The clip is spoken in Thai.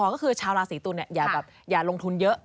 ก็คือชาวราศีตุลอย่าลงทุนเยอะ